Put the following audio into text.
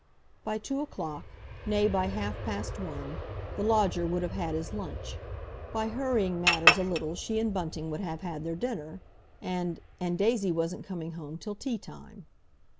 By two o'clock, nay, by half past one, the lodger would have had his lunch; by hurrying matters a little she and Bunting would have had their dinner, and—and Daisy wasn't coming home till tea time.